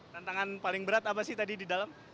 tantangan paling berat apa sih tadi di dalam